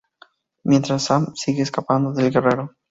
Mientras, Sam sigue escapando del guerrero.